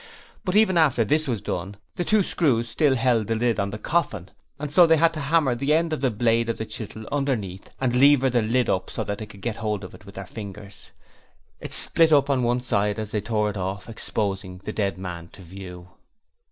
But even after this was done the two screws still held the lid on the coffin, and so they had to hammer the end of the blade of the chisel underneath and lever the lid up so that they could get hold of it with their fingers. It split up one side as they tore it off, exposing the dead man to view.